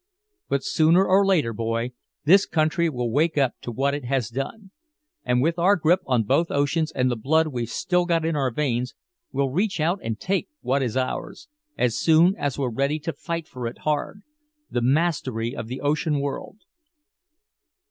But sooner or later, boy, this country will wake up to what it has done. And with our grip on both oceans and the blood we've still got in our veins, we'll reach out and take what is ours as soon as we're ready to fight for it hard the mastery of the ocean world!"